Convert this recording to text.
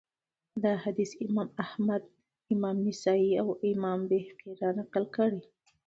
دا حديث امام احمد امام نسائي، او امام بيهقي را نقل کړی